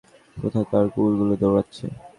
কোথাকার কুকুরগুলো দৌড়াচ্ছে!